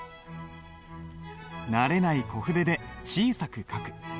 慣れない小筆で小さく書く。